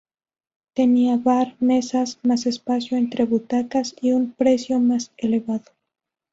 Tenía bar, mesas, más espacio entre butacas y un precio más elevado.